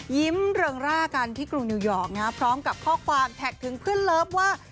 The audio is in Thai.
เริงร่ากันที่กรุงนิวยอร์กพร้อมกับข้อความแท็กถึงเพื่อนเลิฟว่า